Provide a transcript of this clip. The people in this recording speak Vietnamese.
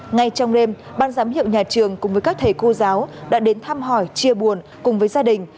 ngay trong đêm ban giám hiệu nhà trường cùng với các thầy cô giáo đã đến thăm hỏi chia buồn cùng với gia đình